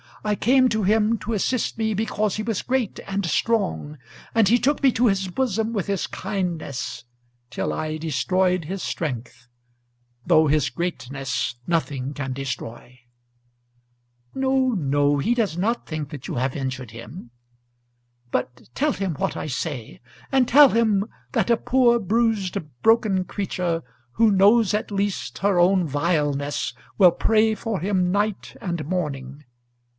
I came to him to assist me because he was great and strong, and he took me to his bosom with his kindness, till I destroyed his strength; though his greatness nothing can destroy." "No, no; he does not think that you have injured him." "But tell him what I say; and tell him that a poor bruised, broken creature, who knows at least her own vileness, will pray for him night and morning.